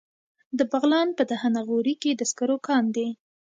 د بغلان په دهنه غوري کې د سکرو کان دی.